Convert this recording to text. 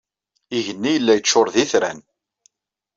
Igenni yella yeččuṛ d itran.